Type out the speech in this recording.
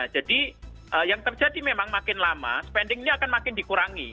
jadi yang terjadi memang makin lama spendingnya akan makin dikurangi